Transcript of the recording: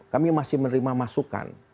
kami masih menerima masukan